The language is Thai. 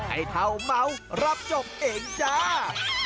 ให้เท่าเมารับจบเองจ้า